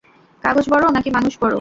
কাগজ বড় নাকি মানুষ বড়।